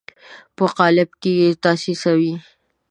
په قالب کې یې تاسیسوي.